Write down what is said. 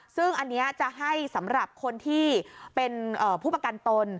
ซึ่งอันนี้จะให้สำหรับคนที่เป็นผู้ประกันตน